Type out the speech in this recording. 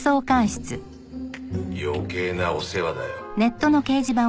余計なお世話だよ。